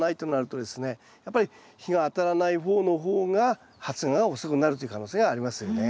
やっぱり日が当たらない方の方が発芽が遅くなるという可能性がありますよね。